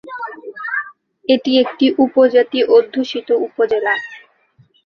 এটি একটি উপজাতি অধ্যুষিত উপজেলা।